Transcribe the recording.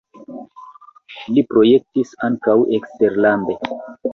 Li projektis ankaŭ eksterlande.